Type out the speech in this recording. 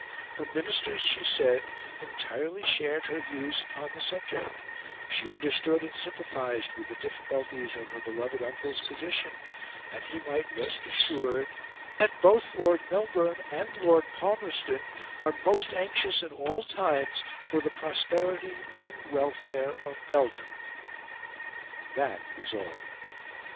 Her Ministers, she said, entirely shared her views upon the subject; she understood and sympathised with the difficulties of her beloved uncle's position; and he might rest assured "that both Lord Melbourne and Lord Palmerston are most anxious at all times for the prosperity and welfare of Belgium." That was all.